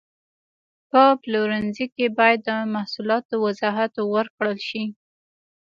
په پلورنځي کې باید د محصولاتو وضاحت ورکړل شي.